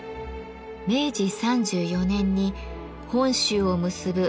明治３４年に本州を結ぶ関門